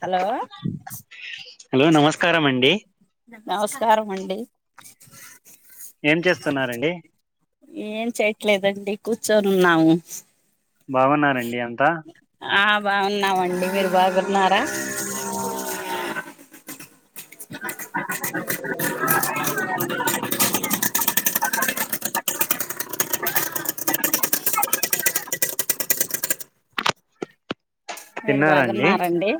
Hello నమస్కారం అండి నమస్కారం అండి ఏం చేస్తున్నారండి ఏం చేయట్లేదండి కూర్చోనున్నాము బాగున్నారండి అంతా బాగున్నామండి మీరు బాగున్నారా [inaudible] [inaudible] మీరు తిన్నారండి బాగున్నారండి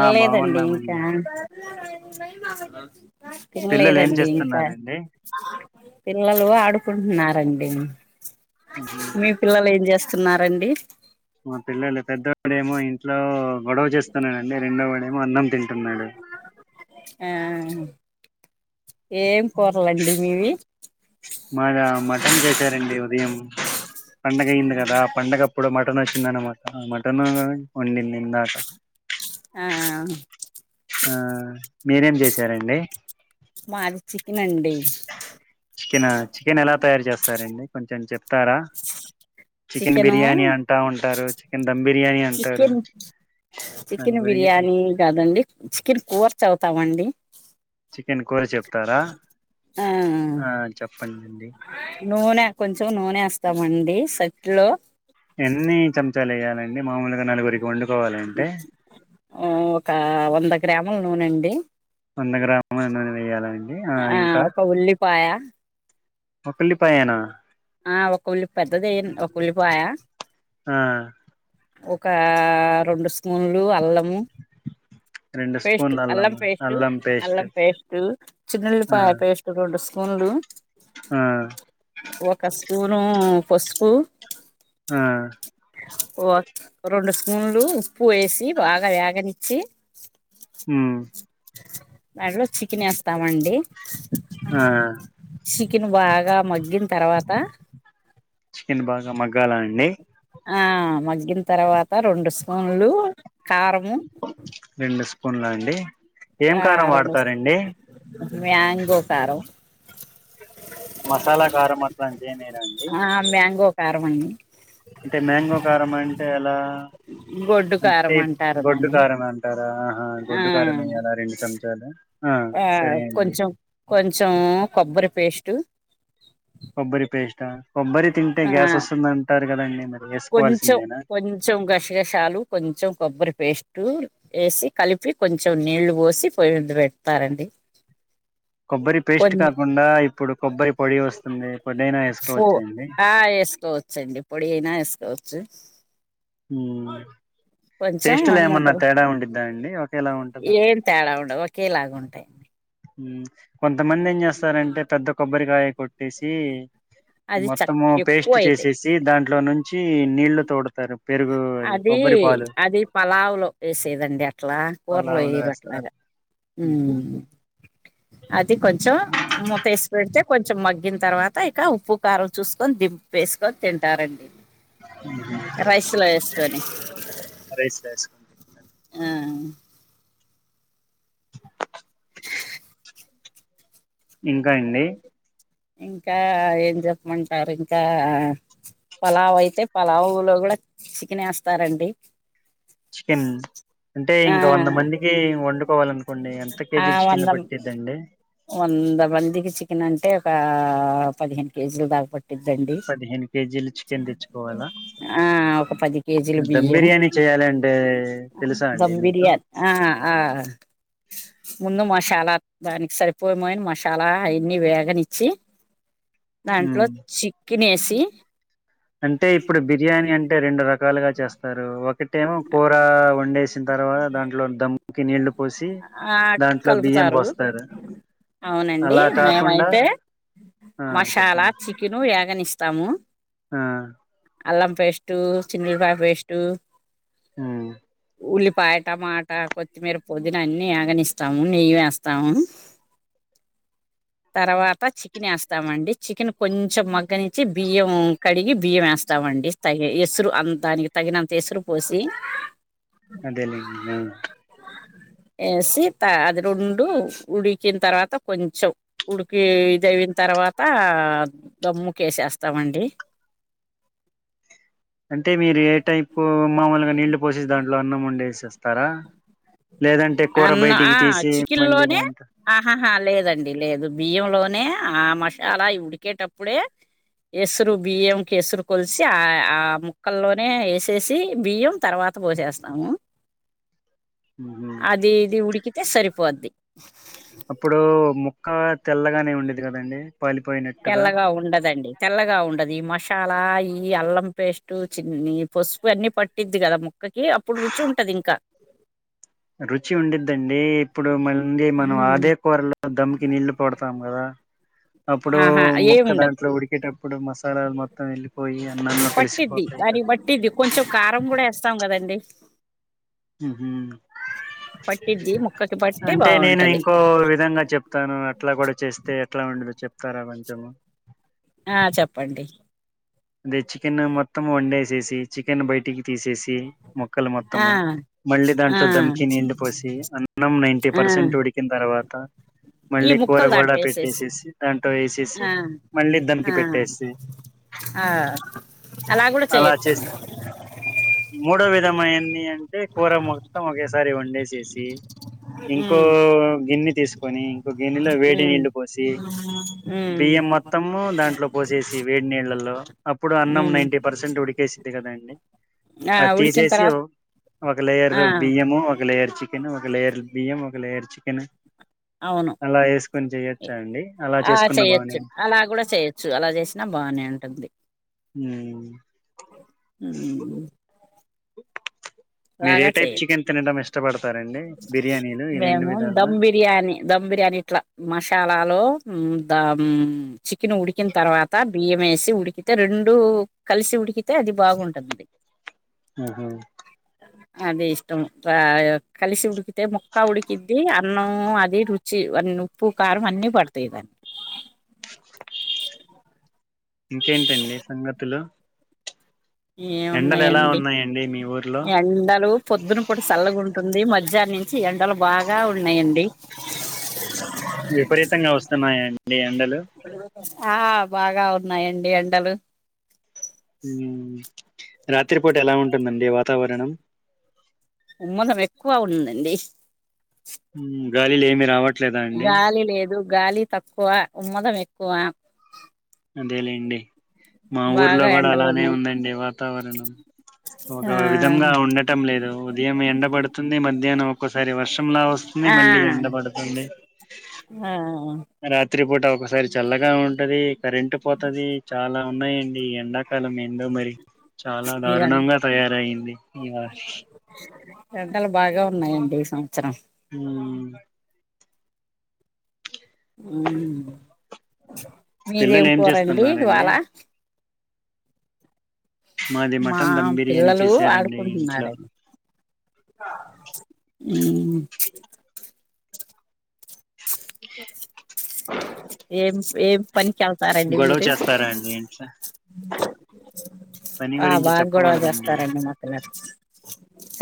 ఆ ఇంకా బాగున్నామండి పిల్లలు ఏం తిన్లేదండి ఇంకా చేస్తున్నారండి పిల్లలు ఆడుకుంటున్నరండి ఉహు. మీ పిల్లల్ ఏం జెస్ స్తున్నారండి మా పిల్లలు పెద్దోడేమో ఇంట్లో గొడవ చేస్తున్నాడండి రెండో వాడేమో అన్నం తింటున్నాడు. ఆ ఏం కూరలండి మీవి? మాదా మటన్ చేసారండి ఉదయం పండగ అయ్యింది కదా పండగప్పుడు మట టన్ వచ్చిందన్నమాట. ఆ మటన్ వండింది ఇందాక ఆ ఆ మీరేం చేసారండి? మాది చికెన్ అండి. చికెనా చికెన్ ఎలా తయారు చేస్తారండి కొంచం చెప్తారా? చికెన్ చికెను బిర్యానీ అంటా ఉంటారు, చికెన్ ధమ్ బిర్యానీ అంటారు చికెన్ దాని చికెన్ గురించి బిర్యానీ కొంచెం కాదండి చికెన్ కోర్చతామండి. చికెన్ కూర చెప్తారా? ఆ ఆ చెప్పండండి. స్తామండి సట్లో ఎన్ని చంచాల్ ఏయాలండి మామూల్గా నలుగురికి వండు ఓ ఒక వంద గ్రాముల్ నూనండి. వంద గ్రాముల నూనె వేయాలండి ఆ ఇంకా ఒక ఉల్లిపాయ ఒక ఉల్లిపాయేనా! ఆ ఒక ఉల్లి పెద్దదేయన్ ఒక ఉల్లిపాయా ఆ ఒకా రొండు స్పూన్లు అల్లము రెండు పేస్ట్ స్పూన్ల అల్లం పేస్ట్ అల్లం పేస్ట్ అల్లం పేస్ట్ ఆ చిన్నుల్లిపాయ పేస్ట్ రొండు స్పూన్లు ఆ ఒక స్పూనూ పసుపు ఆ ఓ రొండు స్పూన్లు ఉప్పు వేసి బాగా వేగనిచ్చి ఉమ్ దాంట్లో చికెన్ ఏస్తామండి. ఆ చికెన్ బాగా మగ్గిన్ తర్వాత చికెన్ బాగా మగ్గాల అండి. ఆ మగ్గిన్ తర్వాత రొండు స్పూన్లు కారము రెండు స్పూన్లా అండి ఏం ఆ కారం రెండు వాడ్తారండి? మ్యాంగో కారం. మసాలా కారం అట్లాంటి ఏం ఏయరా అం అహ మ్యాంగో కారం మండి. అంటే మ్యాంగో కారం అంటే ఎలా గొడ్డు అంటే కారం ఇప్ అంటారు గొడ్డు దాన్ని కారమే అంటార్ ఆహా ఆ గొడ్డు కారం ఎయ్యాలా రెండు చెంచాలు ఆ సరే అండి కొంచం కొంచం కొబ్బరి పేస్ట్ కొబ్బరి పేస్టా కొబ్బరి తింటే గ్యాస్ వస్తుందంటార్ కొంచం, కొంచం గష్గసాలు కొంచం కొబ్బరి పేస్ టూ ఏసి కలిపి కొంచెం నీళ్లు పోసి పోయి మీద పెడ్తారండి. కొబ్బరి పేస్ట్ కాకుండా ఇప్పుడు కొబ్బరి పొడి వస్తుంది. పొడైన ఏస్కోవచ్చా అండి. ఏస్కోవ దైనా ఏస్కోవచ్చు. హ్మ్ టేస్ట్లో మూత ఏమన్నా తేడా ఉండిద్దా అండి ఒకేలా ఉం ఏం తేడా ఉండవ్ ఒకేలాగుంటాయి. మ్ కొంతమంది ఏం చేస్తారంటే పెద్ద కొబ్బరికాయ కొట్టేసీ అది చ మొత్తము ఎక్కువ పేస్ట్ అయితాయి చేసేసి దాంట్లో నుంచి నీళ్లు తోడతారు పెరుగు అది అదీ కొబ్బరి పాలు అది పలావులో ఏసేదండి అట్లా కూరలో పలావులో ఏయరు వేస్తారు అట్లాగా ఉహు ఉమ్ అది కొంచం మూతేసి పెడ్తే కొంచం మగ్గిన్ తర్వాత ఇక ఉప్పు, కారం చూస్కొన్ దింపేస్కొన్ తింటారండి. [inaudible] రైస్లో ఏస్కోని రైస్ రైస్ ఇంకా అండి. ఇంకా ఏం చెప్పమంటారు ఇంకా పలావైతే పలావులో గుడ చికెనేస్తారండి. చికెన్ అంటే ఆ ఇంకా వంద మందికి వండుకోవాలనుకోండి ఎంత ఆ కేజీ చికెన్ వంద పట్టిదండి. వంద మందికి చికెన్ అంటే ఒకా పదిహేను కేజీలు దాకా పట్ ట్టిద్దండి పదిహేను కేజీలు చికెన్ తెచ్చుకోవాలా ఆ ఒక పది కేజీలు దమ్ బియ్యం. బిర్యానీ చేయాలంటే తెలుసా అండి ధమ్ మీకు బిర్యాన్ ఆ ఆ ముందు మసాలా దానికి సరిపోయే మెయిన్ మసాలా అయన్ని వేగనిచ్ చ్చి దాంట్లో ఉమ్. చికెనేసి అంటే ఇప్పుడు బిర్యానీ అంటే రెండు రకాలుగా చేస్తారు. ఒ కటేమో కూర వండేసిన్ తర్వాత దాంట్లో ధమ్ కి నీళ్లు పోసి ఆ దాంట్లో బియ్యం కలుపుతారు పోస్తారు. అవునండి అలా కాకుండా మేమైతే ఆ మసాలా, చెప్పండి చికెను, వే గనిస్తాము. ఆ అల్లం పేస్టు, చిన్నుల్లిపాయ పేస్ట్ ఆ ఉల్లిపాయ, టమాట కొత్తిమీర, పుదీన అన్ని యాగనిస్తాము నెయ్యి వేస్తాము. తర్వాత చికెన్ ఏస్తామండి చికెన్ కొంచం మగ్గనిచ్చి బియ్యం కడిగి, బియ్యమేస్తాం. అండి తయే ఎసురు అం దానికి తగినంత ఎసురు పోసి అదే లెండి ఆ ఏసి త అది రెండు ఉడికిన్ తర్వాత కొంచం ఉడికి ఇదైవిన్ తర్ తర్వాతా దమ్ము కేేసేస్తామండి. అంటే మీరు ఏ టైపు మామూల్గా నీళ్ళు పోసేస్ దాంట్లో అన్నం వండి ఏసేస్తారా? అన్న ఆ చికెన్లోనే దాంట్లో ఆహాహా లేదన్ డి లేదు బియ్యలోనే ఆ మసాలా ఉడికేటప్పుడే ఎసురు బియ్యంకి ఎసురు కొల్సి ఆ ఆ ముక్కల్లోనే ఏసేసి బియ్యం తర్వాత్ త పోసేస్తాము. మ్మ్. అది ఇది ఉడికితే సరిపోద్ది. అప్పుడూ ముక్కా తెల్లగానే ఉండిద్ది కదండి. పాలిపోయినట్టుగా తెల్లగా ఉండదండి తెల్లగా ఉండదు ఈ మసాలా ఈ అల్లం పేస్టు చిన్ని పసుపు అన్నీ పట్టిద్ది కదా ము కాకి అప్పుడు రుచి ఉంటది ఇంకా రుచి ఉండిద్దండి ఇప్పుడు మళ్ళీ మనం హ్మ్. అదే కూరలో దమ్కి నీళ్లు పడతాం కదా అప్పుడు ఆహా ఏమి మొక్క ఉండదు దాంట్లో ఉడికేటప్పుడు మసాలాలు మొత్తం వెళ్ళిపోయి అన్నంలో పట్టిద్ది కలిసిపోతాయి కాని కదా పట్టిద్ది కొంచెం కారం కూడా వేస్తాం కదండి ఉమ్ పట్టిద్ది ముక్కకి పట్టి అంటే నేను బాగుంటది ఇంకో విధంగా చెప్తాను అట్లా కూడా చేస్తే ఎట్లా ఉండదు చెప్తారా కొంచెము ఆ చెప్పండి అదే చికెన్ మొత్తం వండేసేసి చికెన్ బయటికి తీసేసి మొక్కలు ఆ మొత్తము మళ్ళీ ఆ దాంట్లో దధమ్కి నీళ్ళ పోసి అన్నం నైటీ ఆ పర్సెంట్ ఉడికిన తర్వాత ఈ మళ్ళీ ముక్కలు కూరగోడ దాంట్లో వేసేసి పెట్టేసేసి దాంట్లో వేసి చ్చసి ఆ మళ్ళీ ఆ దమకి పెట్టేసి ఆ అలా కూడా చేయొచ్చండి మూడో విధమైనదీ అంటే కూర మొత్తం ఒకేసారి ఉం లేసేసి ఇంకో ఉమ్ గిన్నె తీసుకొని గిన్నెలో వేడి ఉమ్ నీళ్లు పోసి ఉమ్ బియ్యం మొత్తము దాంట్లో పోసేసి వేడి నీళ్ళలో అప్పుడు అన్నం ఉమ్ నైంటీ పర్సెంట్ ఉడికేసిద్ది కదాండి ఆ అది ఉడికిన తీసేసి తర్వాత ఓ ఒక ఆ లేయరు బియ్యము ఒక లేయర్ చికెన్ ఒక లేయర్ బియ్యం ఒక లేయర్ చికెను అవును అలా ఆ చేసుకున్న బాగానే చేయ్యొచ్చు అలా కూడా చేయొచ్చు అలా చేసినా బానే ఉంటది ఉం ఉ మీరు అలాగా ఏ టైప్ చేయొచ్చు చికెన్ తినడం ఇష్టపడతారండి బిర్యానీలు ఈ రెండు మేము విధాల్లో దమ్ బిర్యానీ దమ్ బిర్యానీ ఇట్లా మసాలా లో ద చికెన్ ఉడికిన తర్వాత బియ్యం వేసి ఉడికితే రెండు కలిసి ఉడికితే అది బాగుంటుంది ఆహా అదే ఇష్టం ఆ కలిసి ఉడకితే ముక్క ఉడుకిద్ది అన్నం అది రుచి వన్ ఉప్పు కారం అన్ని పడతాయి [inaudible] ఇంకేటండి సంగతులు ఎండలు ఎలా ఏమున్నాయండి ఉన్నాయండి మీ ఊర్లో ఎండలు పొద్దున పూట చల్లగాంట టుంది మధ్యాహ్న నుంచి ఎండలు బాగా ఉన్నాయండి విపరీతంగా వస్తున్నాయండి ఎండలు ఆ బాగా ఉన్నాయండి ఎండలు ఉమ్ రాత్రిపూట ఎలా ఉంటుందండి వాతావరణం ఉమ్మదం ఎక్కువ ఉందండి గాలి లేమి రావట్ గాలి లేదు గాలి తక్కువ ఉమ్మదం ఎక్కువ అదేలేండి మా ఊర్లో బాగా కూడా ఎండలు అలానే ఉన్నాయి ఉందండి వాతావరణం ఆ ఒక విధంగా ఉండటం లేదు ఉదయం ఎండబడుతుంది మధ్యాహ్నం ఒక్కోసారి వర్షంలా వస్తు అ ఆ మళ్లి ఎండా పడుతుంది ఆ రాత్రి పూట ఒకసారి చల్లగా ఉంటది కరెంట్ పోతది చాలా ఉన్నయండి ఈ ఎండాకాలం ఏందో మరి చాలా ఈ ఎం దారుణంగా తయారైంది ఈ వాష్ ఎండలు బాగా ఉన్నాయండి ఈ సంవత్సరం. ఉమ్ మీదేం పిల్లలు ఏం కూరండి చేస్తున్నారండి ఇవాళ మాది మా మటన్ దమ్ బిర్యానీ పిల్లలు చేసారండి ఇంట్లో ఆడుకుంటున్నారం మ్ కే ఏం ఏం పనికెళ్తారండి గొడవ మీరు? చేస్తారా అండి ఇంట్లో పని ఆ గురించి బాగ్ గొడవ చెప్పకూడదండి చేస్తారండి మా పిల్లల్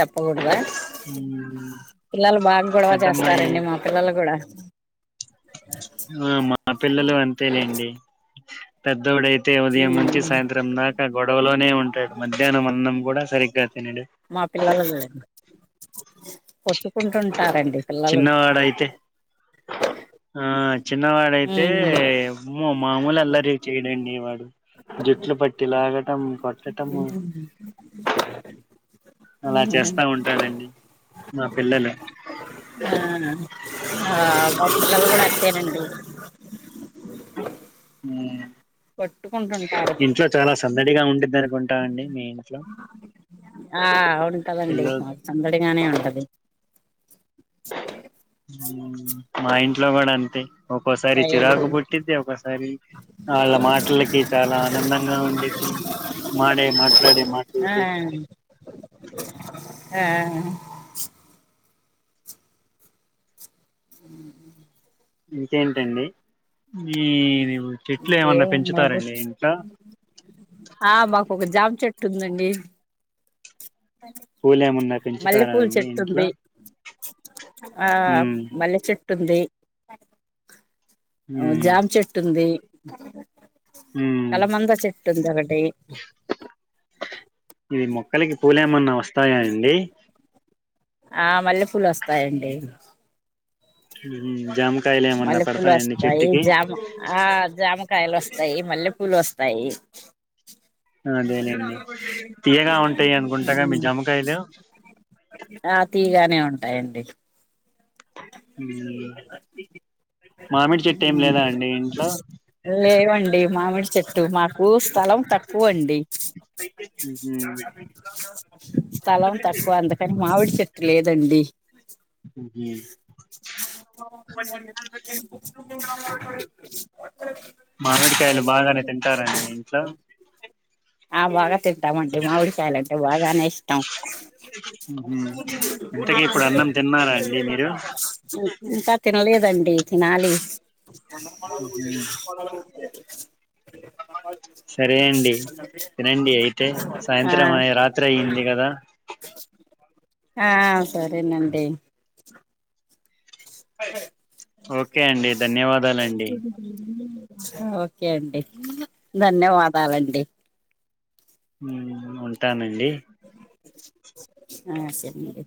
ఉమ్ పిల్లలు బాగ్ గొడవ పెద్దమ్మాయి చేస్తారండి మా పిల్లలు గుడా ఆ మా పిల్లలు అంతే లెండి పెద్దోడై తే ఉదయం ఉమ్ నుంచి సాయంత్రం దాక గొడవలోనే ఉంటాడు మధ్యాహ్నం అన్నం గుడా సరి మా పిల్లల్ అల్లరే కొట్టు కుంటుంటారండి పిల్లలు. చిన్నవాడైతే ఆ చిన్నవాడైతే. ఉమ్ మ్మో మామూల్ అల్లరి చేయడండి వాడు జుట్లు పట్టి లాగటం కొట్ లేదండి. అలా చేస్తా ఉంటారండి మా పిల్లలు. ఆ ఆ మా పిల్లలు గుడా అంతేనండి. మ్ కొట్టుకుంటుంటారు ఇంట్లో చాలా సందడిగా ఉండే దనుకుంటా అండి మీ ఇంట్లో ఆ ఉంటదండి పిల్లలతో మాక్ సందడిగానే ఉంటది. మ్ మా ఇంట్లో గుడా అంతే. ఒకోసారి చిరాకు పుట్టిది ఒకసారి ఆళ్ళ మాటలకి చాలా ఆనందంగా ఉండిద్ది మాడే మాట్లాడే ఆ మాటలకి ఆ ఇంకేంటండి? ఏ చెట్లు ఏమన్నా ఇంకేమున్నోళ్ళు పెంచుతారండి ఇంట్లో ఆ మాకొక జామ్ చెట్టుందండి. పూల్ ఏమన్ మల్లెపూల్ చెట్టుంది ఆ ఉమ్ మల్లె చెట్ ట్టుంది ఉమ్ జామ్ చెట్టుంది. కలమంద చెట్టుండి ఒకటీ ఇవి మొక్కలకి పూలేమన్నా వస్తాయా అండి? ఆ మల్లె పూలు వస్తాయండి. మ్ మల్లె పూలు వస్తాయి. జామ ఆ జామకాయల్ వస్తాయి మల్లె పూలు వస్ తాయి. అదే లెండి తీయగా ఉంటాయి అనుకుంటగ మీ జామకాయలు ఆ తీయగానే ఉంటాయండి. ఉమ్ మామిడి చెట్టు ఏం లేదా అండి ఇంట్లో కు స్థలం తక్కువ అండి ఉహు స్థలం తక్కువ అందుకని మామిడి చెట్టు లేదండి ఊ మామిడికాయలు బాగానే తింటారండి ఇంట్లో ఆ బాగా తింటామండి మామిడికాయలు అంటె బాగానే ఇష్టం ఇంతకి ఇప్పుడు అన్నం తిన్నారా అండి మీరు ఇంకా తినలేదండి తినాలి ఉహు సరే అండి తినండి అయితే ఆ సాయంత్రం అయ్ రాత్రి అయింది కదా ఆ సరేనండి ఓకే అండి ధన్యవాదాలండి ఓకే అండి ధన్యవాదాలండి ఉమ్ ఉంటానండి ఆ సరేనండి